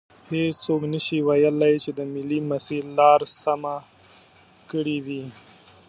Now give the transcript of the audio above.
هیڅوک نشي ویلی چې د ملي مسیر لار سمه کړي وي.